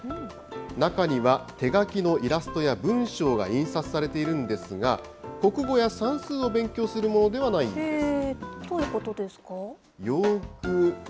中には、手書きのイラストや文章が印刷されているんですが、国語や算数の勉強をするものではないどういうことですか。